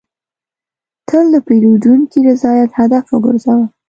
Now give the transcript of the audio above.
تل د پیرودونکي رضایت هدف وګرځوه.